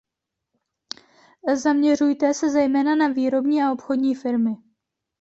Zaměřuje se zejména na výrobní a obchodní firmy.